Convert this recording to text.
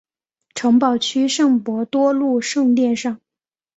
城堡区圣伯多禄圣殿上。